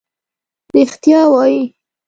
رښتیا وایې.